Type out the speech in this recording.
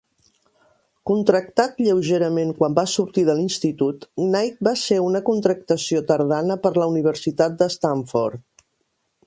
Contractat lleugerament quan va sortir de l'Institut, Knight va ser una contractació tardana per la Universitat de Stanford.